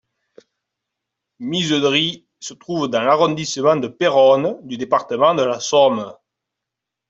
Misedry se trouve dans l'arrondissement de Péronne du département de la Somme.